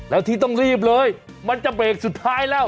แล้วที่ต้องรีบเลยมันจะเบรกสุดท้ายแล้ว